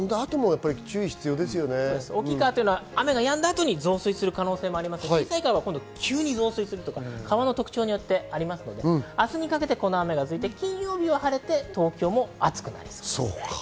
大きい川は雨がやんだ後に増水する可能性がありますので川の特徴によってありますので明日にかけてこの雨が続いて、金曜日は晴れて東京も暑くなりそうです。